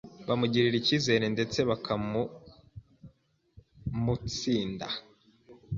bamugirira icyizere ndetse bakamuumunsinda